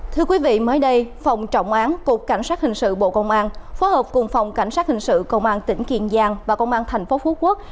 thưa quý vị mới đây phòng trọng án cục cảnh sát hình sự bộ công an phối hợp cùng phòng cảnh sát hình sự công an tỉnh kiên giang và công an thành phố phú quốc